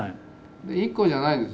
１個じゃないです。